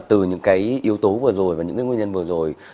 từ những cái yếu tố vừa rồi và những cái nguyên nhân vừa rồi